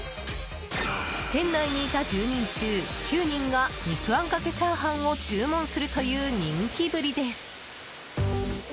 店内にいた１０人中、９人が肉あんかけチャーハンを注文するという人気ぶりです。